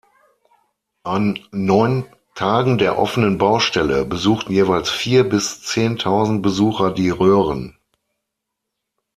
An neun "Tagen der offenen Baustelle" besuchten jeweils vier- bis zehntausend Besucher die Röhren.